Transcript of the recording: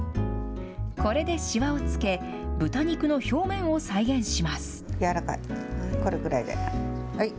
これでしわをつけ、豚肉の表面を再現します。